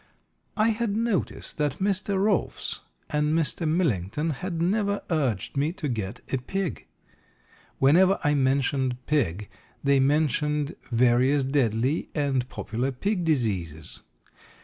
I had noticed that Mr. Rolfs and Mr. Millington had never urged me to get a pig. Whenever I mentioned pig they mentioned various deadly and popular pig diseases.